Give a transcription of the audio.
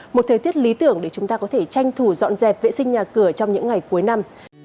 một thời tiết lý tưởng để chúng ta có thể tranh thủ dọn dẹp vệ sinh nhà cửa trong những ngày cuối năm